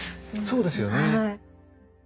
そうですよね。